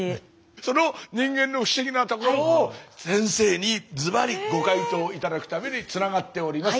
その人間の不思議なところを先生にずばりご回答頂くためにつながっております。